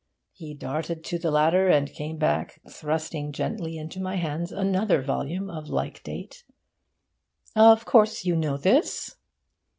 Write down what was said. He darted to the ladder, and came back thrusting gently into my hands another volume of like date: 'Of course you know this?